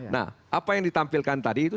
nah apa yang ditampilkan tadi itu